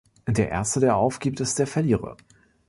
Der Erste, der aufgibt, ist der Verlierer.